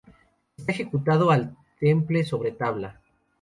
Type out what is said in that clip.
Está ejecutado al temple sobre tabla.